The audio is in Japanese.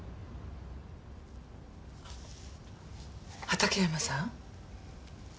畑山さん。